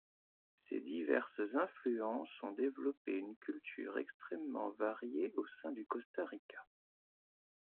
Ces diverses influences ont développé une culture extrêmement variée au sein du Costa Rica.